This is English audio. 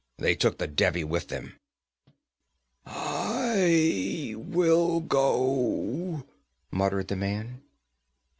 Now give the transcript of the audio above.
'They took the Devi with them.' 'I will go!' muttered the man.